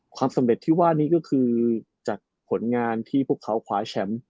ความสำเร็จที่ว่านี้ก็คือจากผลงานที่พวกเขาคว้าแชมป์